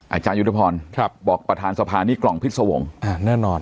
อาจารยุทธพรบอกประธานสภานี่กล่องพิษวงศ์แน่นอน